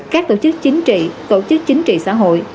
các tổ chức chính trị tổ chức chính trị xã hội